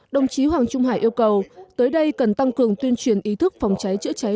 đồng chí hoàng trung hải yêu cầu tới đây cần tăng cường tuyên truyền ý thức phòng cháy chữa cháy